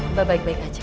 mbak baik baik aja kan